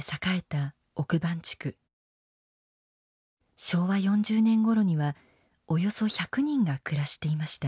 昭和４０年ごろにはおよそ１００人が暮らしていました。